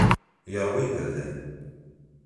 Yeṛwa iberdan.